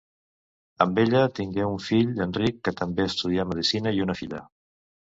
Amb ella tingué un fill, Enric, que també estudià medicina, i una filla.